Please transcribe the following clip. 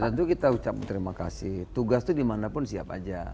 tentu kita ucapkan terima kasih tugas itu dimanapun siap aja